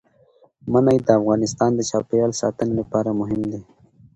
منی د افغانستان د چاپیریال ساتنې لپاره مهم دي.